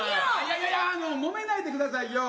いやいやもめないでくださいよ。